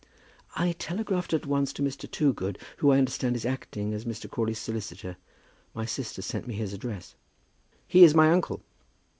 "I telegraphed at once to Mr. Toogood, who I understand is acting as Mr. Crawley's solicitor. My sister sent me his address." "He is my uncle."